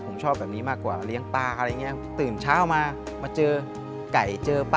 ผมชอบแบบนี้มากกว่าเลี้ยงปลาอะไรอย่างนี้